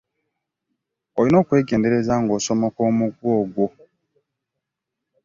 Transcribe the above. Olina okwegendereza ng'osomoka omugga ogwo.